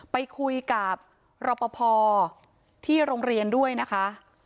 ไปคุยกับรอปภที่โรงเรียนด้วยนะคะ